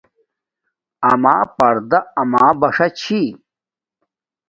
اما پردا اما بݽ چھی